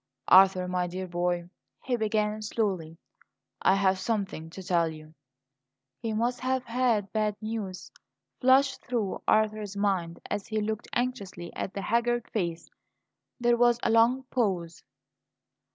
"Arthur, my dear boy," he began slowly; "I have something to tell you." "He must have had bad news," flashed through Arthur's mind, as he looked anxiously at the haggard face. There was a long pause.